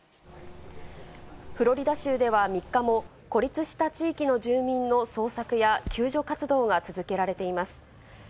フロリダ州では３日も、孤立した地域の住民の捜索や救助活動が続けられています。